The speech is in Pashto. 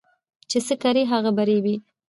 چي څه کرې هغه به رېبې